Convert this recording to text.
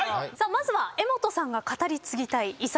まずは江本さんが語り継ぎたい遺産です。